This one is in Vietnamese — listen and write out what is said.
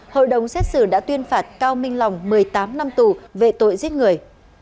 hội đồng xét xử đã tuyên phạt cao minh lòng một mươi tám năm tù về tội giết người